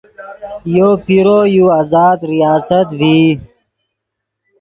یو پیرو یو آزاد ریاست ڤئی